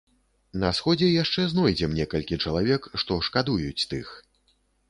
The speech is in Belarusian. На сходзе яшчэ знойдзем некалькі чалавек, што шкадуюць тых.